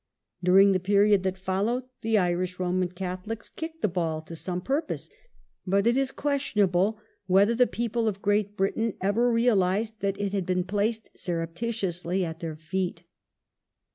During the period that fol lowed, the Irish Roman Catholics kicked the ball to some purpose; but it is questionable whether the people of Great Britain ever realized that it had been placed surreptitiously at their feet.